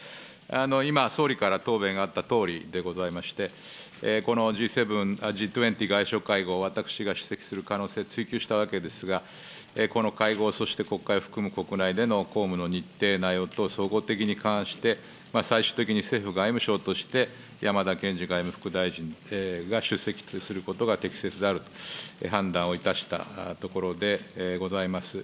今、総理から答弁あったとおりでございまして、このＧ２０外相会合、私が出席する可能性、ついきゅうしたわけですが、この会合、そして国会を含む国内での公務の日程、内容等、総合的に勘案して、最終的に政府、外務省として山田賢司外務副大臣が出席することが適切であると判断をいたしたところでございます。